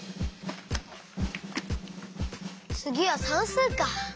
つぎはさんすうか。